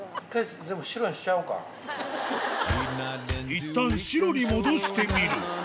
いったん白に戻してみるどうして？